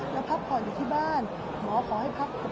แล้วพักผ่อนอยู่ที่บ้านหมอขอให้พัก